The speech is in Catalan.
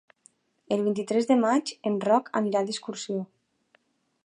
El vint-i-tres de maig en Roc anirà d'excursió.